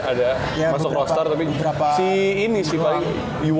ada tapi si ini sih